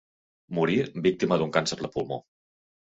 Morí víctima d'un càncer de pulmó.